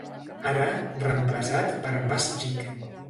Ara, reemplaçat per Más Chic.